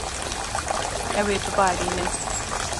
Ew ê bibarînin.